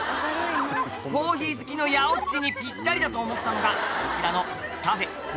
「コーヒー好きのヤオっちにぴったりだと思ったのがこちらの」